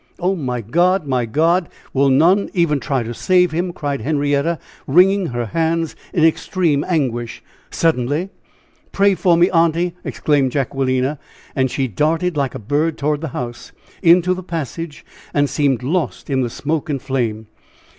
"Oh! my God! my God! will none even try to save him?" cried Henrietta, wringing her hands in extreme anguish. Suddenly: "Pray for me, aunty!" exclaimed Jacquelina, and she darted like a bird toward the house, into the passage, and seemed lost in the smoke and flame!